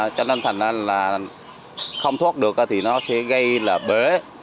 cho nên thành ra là không thoát được thì nó sẽ gây là bể